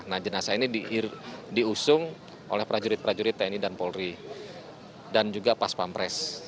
nah jenazah ini diusung oleh prajurit prajurit tni dan polri dan juga pas pampres